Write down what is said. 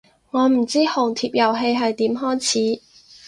我唔知紅帖遊戲係點開始